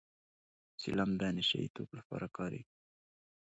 چلم د نشه يي توکو لپاره کارېږي